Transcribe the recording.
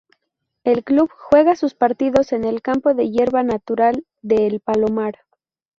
El club juega sus partidos en el campo de hierba natural de El Palomar.